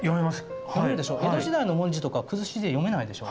江戸時代の文字とかは崩しで読めないでしょ？